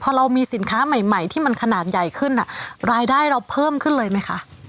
พอเรามีสินค้าใหม่ที่มันขนาดใหญ่ขึ้นรายได้เราเพิ่มขึ้นเลยไหมคะ